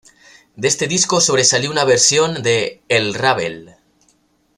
De este disco sobresalió una versión de "El Rabel".